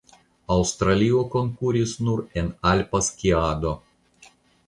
Aŭstralio konkuris nur en Alpa skiado.